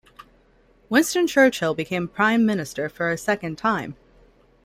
Winston Churchill became Prime Minister for a second time.